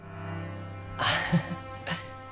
アハハ。